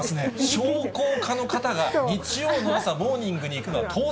商工課の方が、日曜の朝、モーニングに行くのは当然？